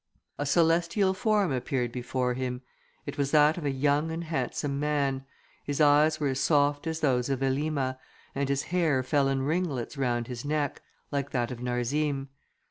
A celestial form appeared before him: it was that of a young and handsome man; his eyes were as soft as those of Elima, and his hair fell in ringlets round his neck, like that of Narzim.